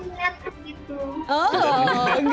oh kebaliknya gitu